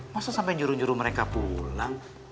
masa sampe nyuruh nyuruh mereka pulang